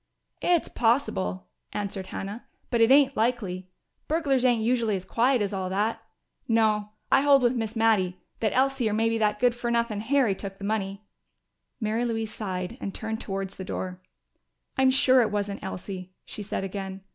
"It's possible," answered Hannah. "But it ain't likely. Burglars ain't usually as quiet as all that. No; I hold with Miss Mattie that Elsie or maybe that good fer nuthin' Harry took the money." Mary Louise sighed and turned towards the door. "I'm sure it wasn't Elsie," she said again.